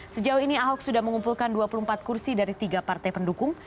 sejauh ini ahok sudah mengumpulkan dua puluh empat kursi dari tiga partai pendukung